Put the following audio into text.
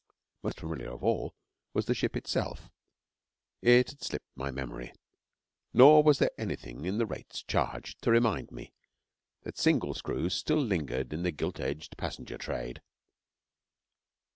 Most familiar of all was the ship itself. It had slipped my memory, nor was there anything in the rates charged to remind me, that single screws still lingered in the gilt edged passenger trade.